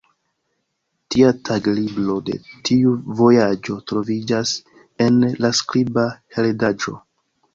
Lia taglibro de tiu vojaĝo troviĝas en la skriba heredaĵo.